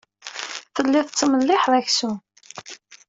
Telliḍ tettmelliḥeḍ aksum.